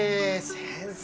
先生。